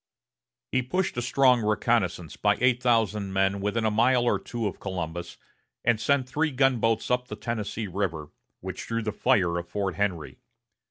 He pushed a strong reconnaissance by eight thousand men within a mile or two of Columbus, and sent three gunboats up the Tennessee River, which drew the fire of Fort Henry.